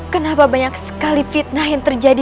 kenapa banyak sekali fitnah yang terjadi